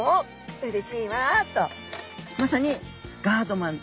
うれしいわ」とまさにガードマン。